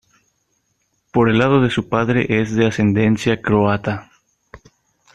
Por el lado de su padre es de ascendencia croata.